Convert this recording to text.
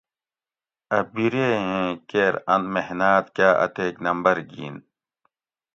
اۤ بیرے ایں کیر ان محناۤت کاۤ اتیک نمبر گھِین